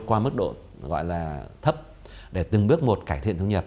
qua mức độ gọi là thấp để từng bước một cải thiện thu nhập